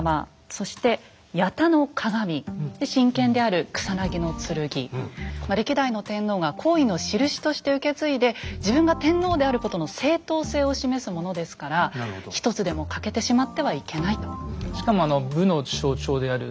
神剣である歴代の天皇が皇位のしるしとして受け継いで自分が天皇であることの正統性を示すものですから一つでも欠けてしまってはいけないと。